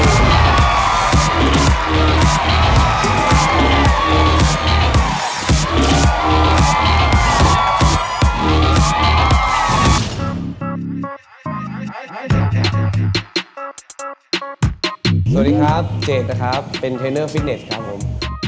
สวัสดีครับเจดนะครับเป็นเทรนเนอร์ฟิตเน็ตครับผม